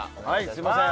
すみません。